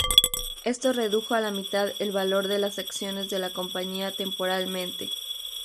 Esto redujo a la mitad el valor de las acciones de la compañía temporalmente.